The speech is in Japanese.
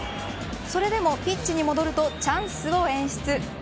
それでもピッチに戻るとチャンスを演出。